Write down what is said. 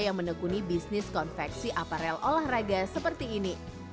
yang menekuni bisnis konveksi aparel olahraga seperti ini